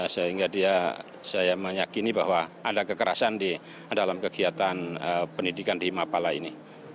sehingga dia saya meyakini bahwa ada kekerasan di dalam kegiatan pendidikan di mapala ini